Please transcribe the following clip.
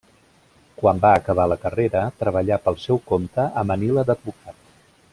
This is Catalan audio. Quan va acabar la carrera, treballà pel seu compte a Manila d'advocat.